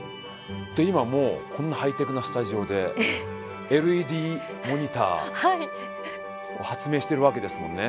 で今もうこんなハイテクなスタジオでＬＥＤモニター発明してるわけですもんね。